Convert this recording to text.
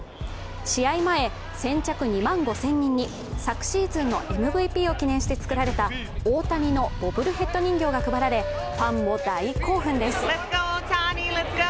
試合前、先着２万５０００人に昨シーズンのＭＶＰを記念して作られた大谷のボブルヘッド人形が配られ、ファンも大興奮です。